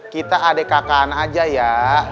kita adek kakaan aja ya